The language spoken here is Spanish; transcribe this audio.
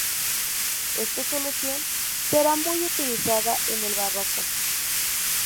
Esta solución será muy utilizada en el Barroco.